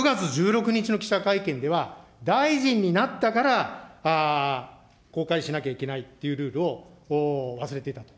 ９月１６日の記者会見では、大臣になったから公開しなきゃいけないというルールを忘れていたと。